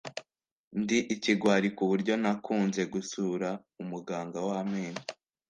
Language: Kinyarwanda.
Ndi ikigwari kuburyo ntakunze gusura muganga w amenyo.